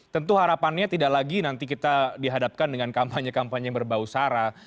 tentu harapannya tidak lagi nanti kita dihadapkan dengan kampanye kampanye yang berbau sara